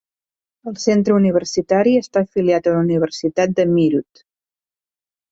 El centre universitari està afiliat a la Universitat de Meerut.